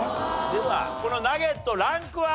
ではこのナゲットランクは？